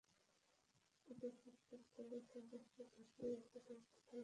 এতে প্রত্যেক দলের সর্বোচ্চ দুইটি উইকেটের পতন ঘটতে পারে।